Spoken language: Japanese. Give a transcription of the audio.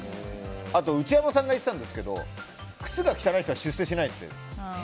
あと内山さんが言ってたんですけど靴が汚い人は出世しないって。